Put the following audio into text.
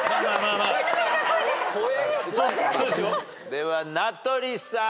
では名取さん。